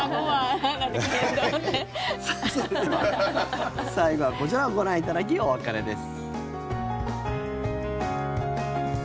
さて、それでは最後はこちらをご覧いただきお別れです。